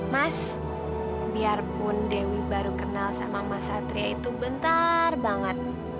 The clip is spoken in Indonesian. mas biarpun dewi baru kenal sama mas satria itu bentar banget